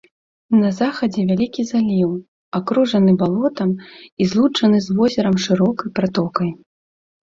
На захадзе вялікі заліў, акружаны балотам і злучаны з возерам шырокай пратокай.